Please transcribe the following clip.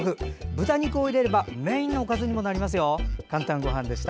豚肉を入れればメインのおかずにもなりますよ。